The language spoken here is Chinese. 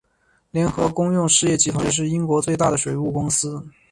联合公用事业集团是英国最大的水务公司。